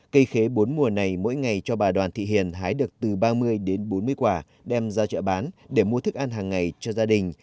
cây khế bốn mùa này mỗi ngày cho bà đoàn thị hiền hái được từ ba mươi đến bốn mươi quả đem ra chợ bán để mua thức ăn hàng ngày cho gia đình